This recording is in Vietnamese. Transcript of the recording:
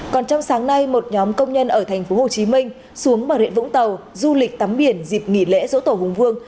còn trong sáng nay một nhóm công nhân ở thành phố hồ chí minh xuống bảo liện vũng tàu du lịch tắm biển dịp nghỉ lễ dỗ tổ hùng vương